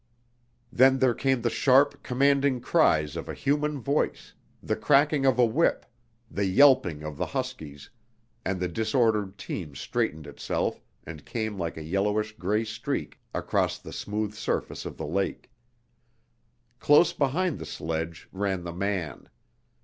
Then there came the sharp, commanding cries of a human voice, the cracking of a whip, the yelping of the huskies, and the disordered team straightened itself and came like a yellowish gray streak across the smooth surface of the lake. Close beside the sledge ran the man.